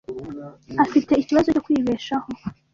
Afite ikibazo cyo kwibeshaho.